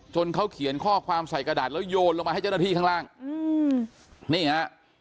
เขาเขียนข้อความใส่กระดาษแล้วโยนลงมาให้เจ้าหน้าที่ข้างล่างอืมนี่ฮะ